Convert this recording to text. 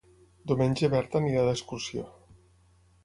Diumenge na Berta irà d'excursió.